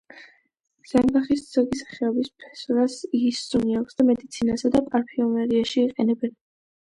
ზამბახის ზოგი სახეობის ფესურას იის სუნი აქვს და მედიცინასა და პარფიუმერიაში იყენებენ.